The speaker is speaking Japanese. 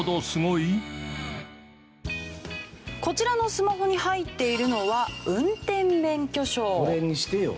こちらのスマホに入っているのはこれにしてよ。